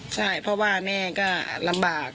ใช่เพราะว่าแม่ก็ลำบาก